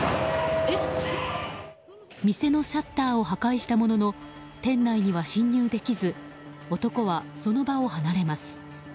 店のシャッターを破壊したものの店内には侵入できず男はその場を離れます。